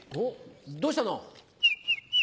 どうしたの？